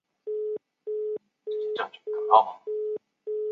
它拥有阿海珐。